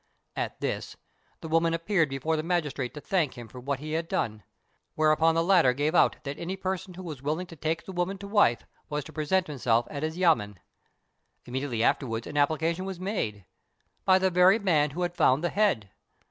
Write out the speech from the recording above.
At this, the woman appeared before the magistrate to thank him for what he had done; whereupon the latter gave out that any person who was willing to take the woman to wife was to present himself at his yamên. Immediately afterwards an application was made by the very man who had found the head.